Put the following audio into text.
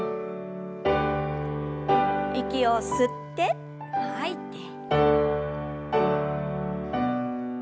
息を吸って吐いて。